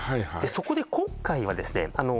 そこで今回はですね